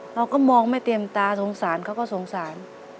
เราก็มองไม่เต็มตาสงสารเขาก็สงสาร